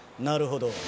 なるほど。